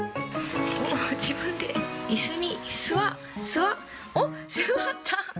自分でいすに座っ、座っ、おっ、座った！